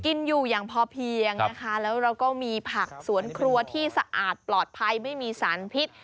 กินอยู่อย่างพอเพียงนะคะแล้วเราก็มีผักสวนครัวที่สะอาดปลอดภัยไม่มีสารพิษ